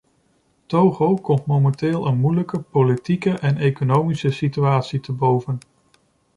Togo komt momenteel een moeilijke politieke en economische situatie te boven.